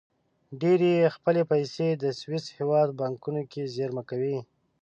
ډېری یې خپلې پیسې د سویس هېواد په بانکونو کې زېرمه کوي.